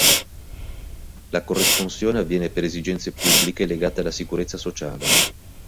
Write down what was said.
La corresponsione avviene per esigenze pubbliche legate alla sicurezza sociale.